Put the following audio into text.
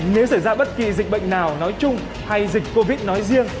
nếu xảy ra bất kỳ dịch bệnh nào nói chung hay dịch covid nói riêng